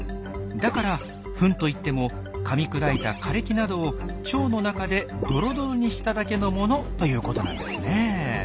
だからフンといってもかみ砕いた枯れ木などを腸の中でドロドロにしただけのものということなんですねえ。